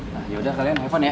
nah yaudah kalian have fun ya